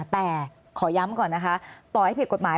แต่ขอย้ำก่อนนะคะต่อให้ผิดกฎหมาย